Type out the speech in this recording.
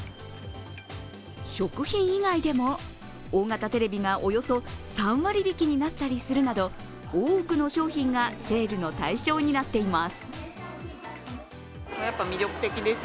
食品以外でも、大型テレビがおよそ３割引になったりするなど多くの商品がセールの対象になっています。